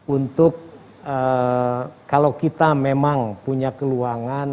untuk kalau kita memang punya peluangan